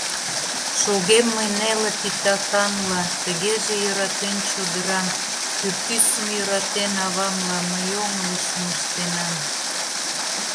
Шогем мый неле титаканла: Тыгеже, йӧратен чодырам, Пӱртӱсым йӧратен авамла, Мый йоҥылышым ыштенам?!